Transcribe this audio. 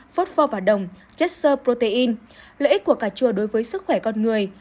phốt pho và đồng chất sơ protein lợi ích của cà chua đối với sức khỏe con người